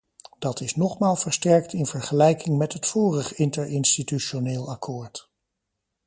Dat is nogmaals versterkt in vergelijking met het vorig interinstitutioneel akkoord.